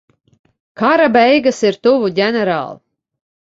Kara beigas ir tuvu, ģenerāl.